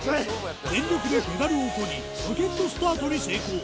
全力でペダルをこぎロケットスタートに成功！